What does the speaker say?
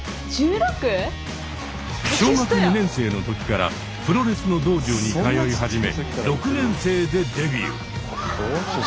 小学２年生の時からプロレスの道場に通い始め６年生でデビュー。